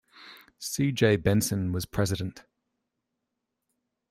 C. J. Benson was president.